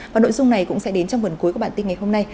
và nội dung này cũng sẽ đến trong phần cuối của bản tin ngày hôm nay